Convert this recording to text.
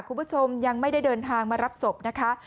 คุณผู้ชมยังไม่ได้เดินทางมารับศพนะคะ